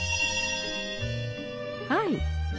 はい。